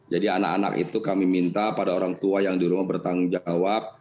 jadi anak anak itu kami minta pada orang tua yang di rumah bertanggung jawab